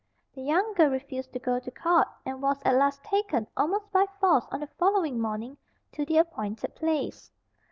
The young girl refused to go to court, and was at last taken, almost by force, on the following morning, to the appointed place.